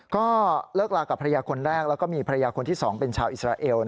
ก็เลิกลากับภรรยาคนแรกแล้วก็มีภรรยาคนที่๒เป็นชาวอิสราเอล